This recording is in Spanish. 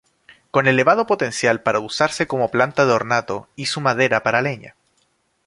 Con elevado potencial para usarse como planta de ornato y su madera para leña.